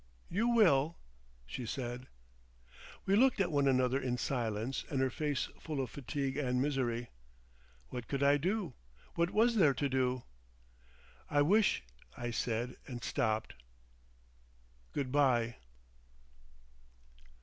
"You will," she said. We looked at one another in silence, and her face full of fatigue and misery. What could I do? What was there to do? "I wish—" I said, and stopped. "Good bye."